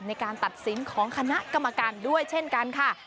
ในการตัดสินของคณะกรรมการด้วยเช่นกันค่ะ